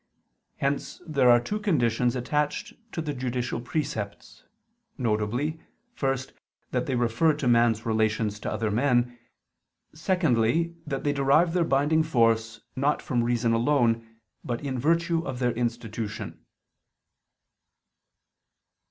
Hence there are two conditions attached to the judicial precepts: viz. first, that they refer to man's relations to other men; secondly, that they derive their binding force not from reason alone, but in virtue of their institution.